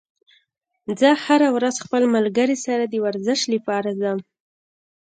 زه هره ورځ خپل ملګري سره د ورزش لپاره ځم